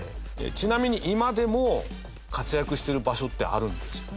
ちなみに、今でも、活躍してる場所ってあるんですよ。